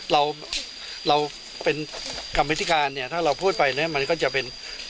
เราเราเป็นกรรมวิธีการเนี่ยถ้าเราพูดไปเนี่ยมันก็จะเป็น